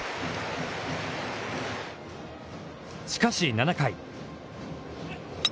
しかし、７回。